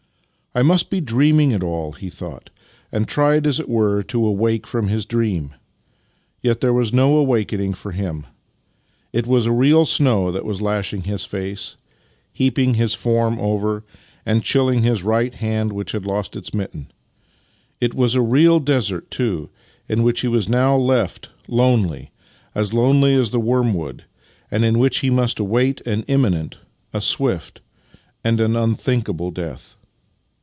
" I must be dreaming it all," he thought, and tried, as it were, to awake from his dream: yet there was no awakening for him. It was real snow that was lash ing his face, heaping his form over, and chilling his right hand, which had lost its mitten. It was a real desert, too, in which he was now left lonely — as lonely as the wormwood — and in which he must await an imminent, a swift, and an unthinkable death.